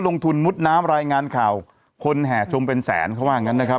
มุดน้ำรายงานข่าวคนแห่ชมเป็นแสนเขาว่างั้นนะครับ